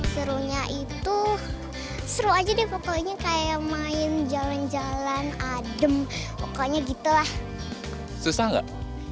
serunya itu seru aja deh pokoknya kayak main jalan jalan adem pokoknya gitu lah susah nggak